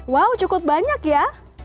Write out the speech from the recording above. wow cukup banyak ya